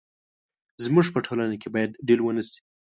زموږ په ټولنه کې باید ډيل ونه شي.